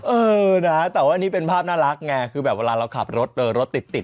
เออนะแต่ว่าอันนี้เป็นภาพน่ารักไงคือแบบเวลาเราขับรถรถติดติด